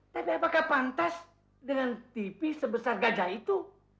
tapi apakah pantas dengan tv sebesar gajah itu